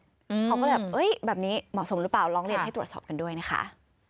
เขาก็เลยแบบเอ้ยแบบนี้เหมาะสมหรือเปล่าร้องเรียนให้ตรวจสอบกันด้วยนะคะ